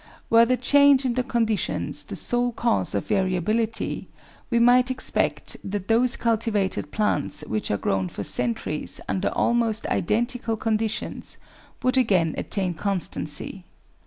Were the change in the conditions the sole cause of variability we might expect that those cultivated plants which are grown for centuries under almost identical conditions would again attain constancy.